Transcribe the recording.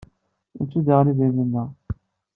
Nettu daɣen idrimen-nneɣ?